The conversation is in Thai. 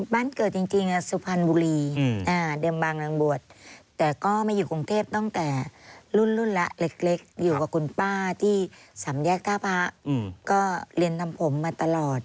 บ้านเกิดจริงสุพรรณบุรีเดิมบางนางบวชแต่ก็มาอยู่กรุงเทพตั้งแต่รุ่นละเล็กอยู่กับคุณป้าที่สำแยกท่าพระก็เรียนทำผมมาตลอด